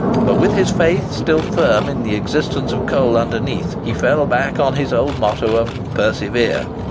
But, with his faith still firm in the existence of coal underneath, he fell back on his old motto of "Persevere."